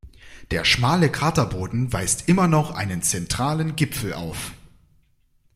Der schmale Kraterboden weist immer noch einen zentralen Gipfel auf.